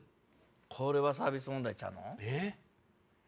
これはサービス問題ちゃうの？